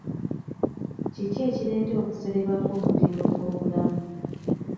Kiki ekireeta okusereba kw'omutindo gw'obulamu?